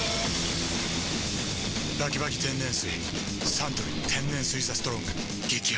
サントリー天然水「ＴＨＥＳＴＲＯＮＧ」激泡